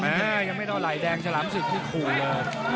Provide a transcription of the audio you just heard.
ยังไม่เท่าไหแดงฉลามศึกนี่ขู่เลย